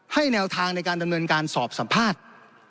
แนวทางในการดำเนินการสอบสัมภาษณ์